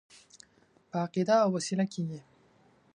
په عقیده او وسیله کېږي.